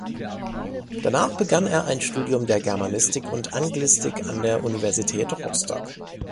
Danach begann er ein Studium der Germanistik und Anglistik an der Universität Rostock.